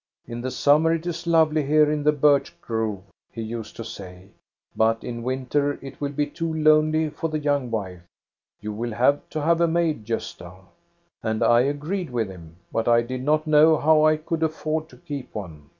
* In the summer it is lovely here in the birch grove,* he used to say ;* but in winter it will be too lonely for the young wife. You will have to have a maid, Gosta.*. MARGARETA CELSING 467 " And I agreed with him, but I did not know how I could afford to keep one.